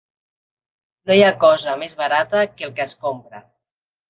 No hi ha cosa més barata que el que es compra.